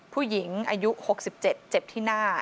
ผู้หญิงอายุ๖๗เจ็บที่หน้า